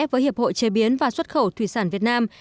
với hiệp hội chế biến và xuất khẩu thủy sản việt nam